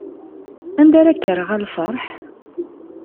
Anda ara k-rreɣ a lferḥ?